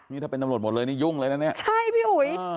นี่ถ้าเป็นตำรวจหมดเลยนี่ยุ่งเลยนะเนี่ยใช่พี่อุ๋ย